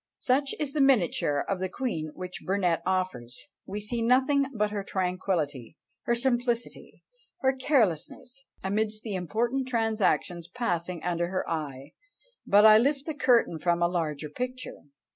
Such is the miniature of the queen which Burnet offers; we see nothing but her tranquillity, her simplicity, and her carelessness, amidst the important transactions passing under her eye; but I lift the curtain from a larger picture.